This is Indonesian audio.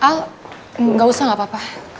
al gak usah gak apa apa